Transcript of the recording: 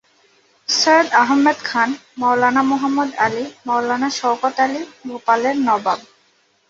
সৈয়দ আহমদ খান, মাওলানা মুহাম্মদ আলি, মাওলানা শওকত আলি, ভোপালের নবাব।